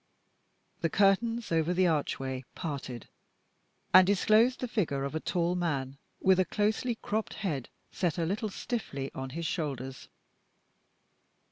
The curtains over the archway parted, and disclosed the figure of a tall man, with a closely cropped head set a little stiffly on his shoulders.